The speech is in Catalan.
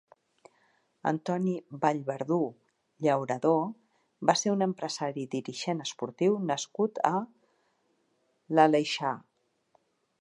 Antoni Vallverdú Llauradó va ser un empresari i dirigent esportiu nascut a l'Aleixar.